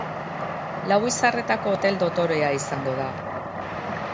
Lau izarreko hotel dotorea izango da.